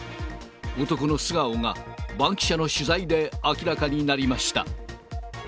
男の素顔がバンキシャの取材で明らかになりました。